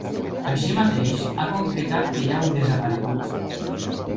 Així mateix, ha concretat que hi ha un desaparegut.